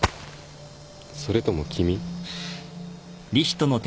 それとも君？